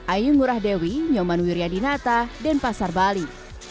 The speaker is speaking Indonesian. ayung murah dewi nyoman wiryadinata dan pasar bali